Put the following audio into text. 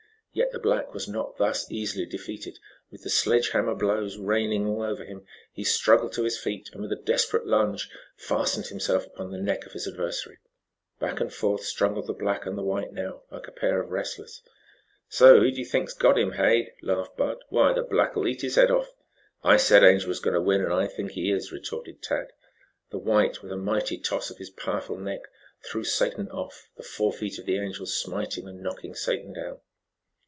Yet the black was not thus easily defeated. With the sledge hammer blows raining all over him, he struggled to his feet, and, with a desperate lunge, fastened himself upon the neck of his adversary. Back and forth struggled the black and the white now, like a pair of wrestlers. "Now, who do you think's got him, hey?" laughed Bud. "Why, the black'll eat his head off." "I said Angel was going to win, and I think he is," retorted Tad. The white with a mighty toss of his powerful neck, threw Satan off, the fore feet of the Angel smiting and knocking Satan down.